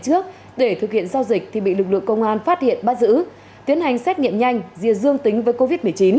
trước để thực hiện giao dịch thì bị lực lượng công an phát hiện bắt giữ tiến hành xét nghiệm nhanh rìa dương tính với covid một mươi chín